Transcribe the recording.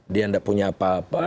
dia tidak punya apa apa